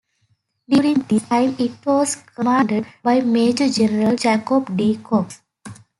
During this time it was commanded by Major General Jacob D. Cox.